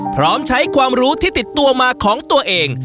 พร้อมใช้ความรู้ที่ติดตัวมาของตัวเอง